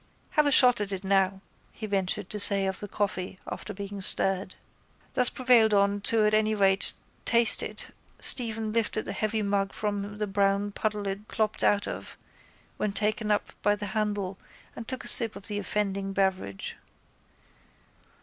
—Have a shot at it now, he ventured to say of the coffee after being stirred. Thus prevailed on to at any rate taste it Stephen lifted the heavy mug from the brown puddle it clopped out of when taken up by the handle and took a sip of the offending beverage.